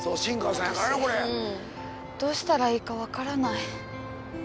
私どうしたらいいか分からない。